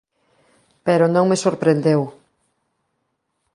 Pero non me sorprendeu.